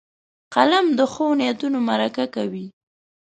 قلم د ښو نیتونو مرکه کوي